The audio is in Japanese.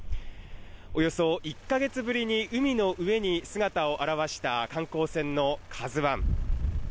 およそ１か月ぶりに海の上に姿を現した観光船の「ＫＡＺＵ１」。